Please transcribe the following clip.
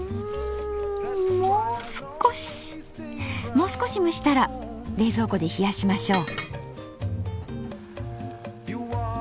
もう少し蒸したら冷蔵庫で冷やしましょう。